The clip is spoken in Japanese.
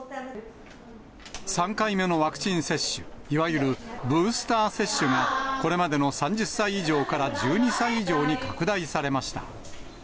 ３回目のワクチン接種、いわゆるブースター接種が、これまでの３０歳以上から１２歳以上に拡大されました。